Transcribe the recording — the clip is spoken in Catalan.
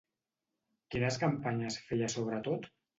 Quines campanyes feia sobretot?